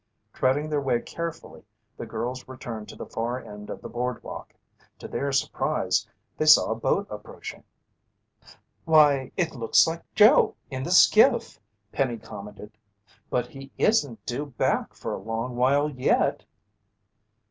Treading their way carefully, the girls returned to the far end of the boardwalk. To their surprise, they saw a boat approaching. "Why, it looks like Joe in the skiff!" Penny commented. "But he isn't due back for a long while yet."